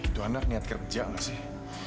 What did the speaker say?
itu anak niat kerja gak sih